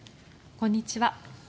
こんにちは。